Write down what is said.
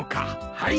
はい。